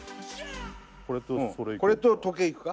これと時計いくか？